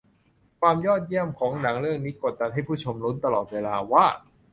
ความยอดเยี่ยมของหนังเรื่องนี้กดดันให้ผู้ชมลุ้นตลอดเวลาว่า